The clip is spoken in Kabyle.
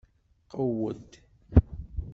Qewwed!